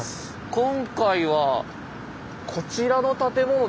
今回はこちらの建物ですかね？